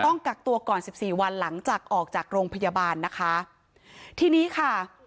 ต้องกักตัวก่อนสิบสี่วันหลังจากออกจากโรงพยาบาลนะคะทีนี้ค่ะ